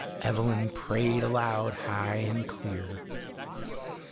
Evelyn prayed aloud, high and clear.